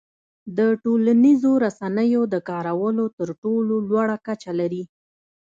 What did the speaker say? د ټولنیزو رسنیو د کارولو تر ټولو لوړه کچه لري.